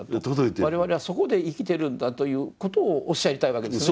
我々はそこで生きてるんだということをおっしゃりたいわけですね。